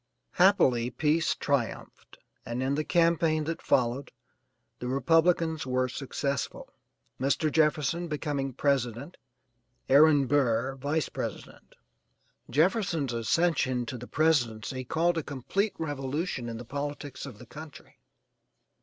Happily peace triumphed, and in the campaign that followed, the Republicans were successful, Mr. Jefferson becoming president Aaron Burr vice president. Jefferson's ascension to the presidency caused a complete revolution in the politics of the country.